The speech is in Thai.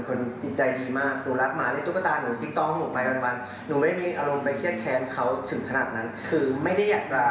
แค่นั้นเองหนูอยากให้สัปคมรับรู้ว่าหนูมาโดนอะไร